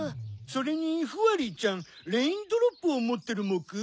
それにフワリーちゃんレインドロップをもってるモク。